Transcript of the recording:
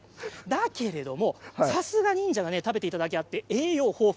だけれども、さすが忍者が食べていただけあって栄養豊富。